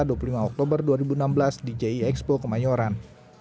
pada dua puluh lima oktober dua ribu enam belas di jie expo kemayoran